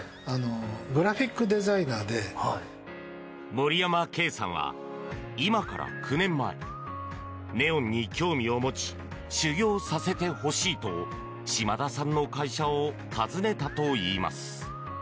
森山桂さんは、今から９年前ネオンに興味を持ち修業させてほしいと島田さんの会社を訪ねたといいます。